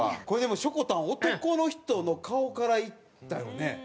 これでもしょこたん男の人の顔からいったよね。